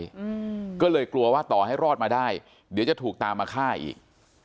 อืมก็เลยกลัวว่าต่อให้รอดมาได้เดี๋ยวจะถูกตามมาฆ่าอีก